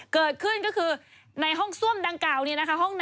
เกิดขึ้นก็คือในห้องซ่วมดังกล่าวนี้นะคะ